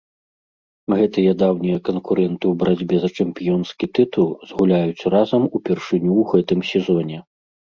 Гэтыя даўнія канкурэнты ў барацьбе за чэмпіёнскі тытул згуляюць разам упершыню ў гэтым сезоне.